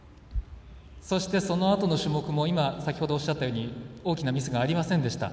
そして、そのあとの種目も先ほどおっしゃったように大きなミスがありませんでした。